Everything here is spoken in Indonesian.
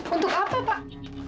untuk apa pak